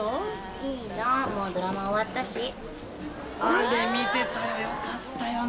いいのもうドラマ終わったしあれ見てたよよかったよね